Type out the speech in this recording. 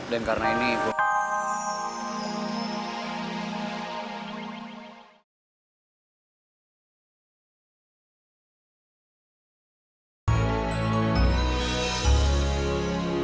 dan karena ini gue